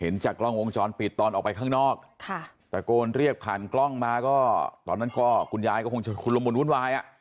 จากกล้องวงจรปิดตอนออกไปข้างนอกตะโกนเรียกผ่านกล้องมาก็ตอนนั้นก็คุณยายก็คงจะคุณละมุนวุ่นวายอ่ะ